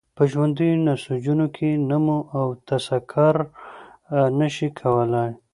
په ژوندیو نسجونو کې نمو او تکثر نشي کولای.